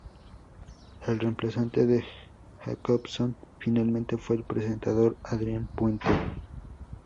El reemplazante de Jacobson finalmente fue el presentador Adrián Puente.